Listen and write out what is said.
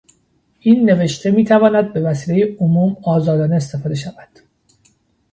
این نوشته میتواند به وسیلهٔ عموم آزادانه استفاده شود.